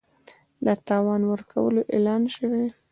د تاوان ورکولو اعلان شوی